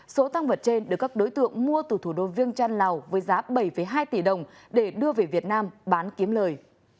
số tăng vật trên được các đối tượng mua từ thủ đô viêng trăn lào với giá bảy hai tỷ đồng để đưa về việt nam bán kiếm lời